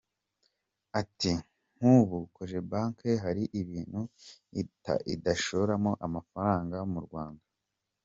Ati “Nk’ubu Cogebanque hari ibintu idashoramo amafaranga mu Rwanda.